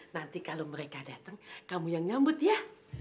nanti kalau mereka datang kamu yang nyambut ya